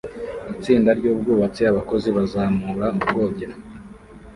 Itsinda ryubwubatsi abakozi bazamura ubwogero